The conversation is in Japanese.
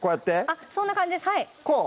あっそんな感じですこう？